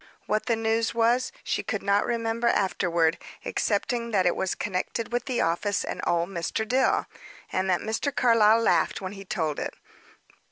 What the news was, she could not remember afterward, excepting that it was connected with the office and old Mr. Dill, and that Mr. Carlyle laughed when he told it.